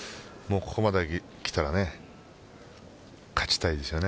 ここまできたら勝ちたいですよね。